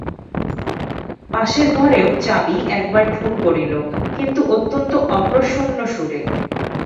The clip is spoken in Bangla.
পাশের ঘরেও চাবি একবার ঠুন করিল, কিন্তু অত্যন্ত অপ্রসন্ন সুরে।